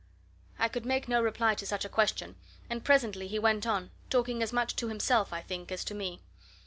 I could make no reply to such a question, and presently he went on talking as much to himself, I think, as to me.